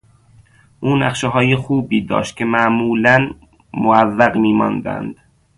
او نقشههای خوبی داشت که معمولا معوق میماندند.